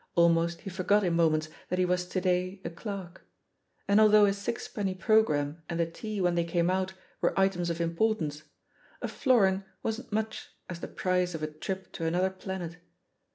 Almost he forgot in moments that he was to day a clerk. And although a sixpenny programme and the tea when they came out were items of importance, a florin wasn't much as the price of a trip to an other planet.